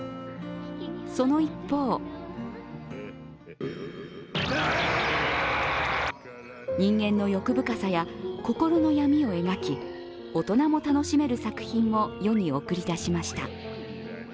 その一方人間の欲深さや心の闇を描き、大人も楽しめる作品も世に送り出しました。